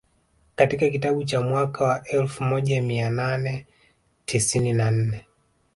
Katika kitabu cha mwaka wa elfu moja mia nane tisini na nne